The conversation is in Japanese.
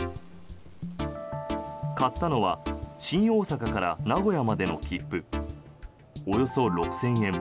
買ったのは新大阪から名古屋までの切符およそ６０００円。